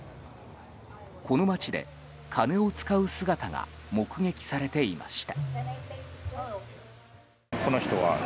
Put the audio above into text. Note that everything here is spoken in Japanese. この街で金を使う姿が目撃されていました。